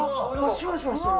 ・シュワシュワしてる！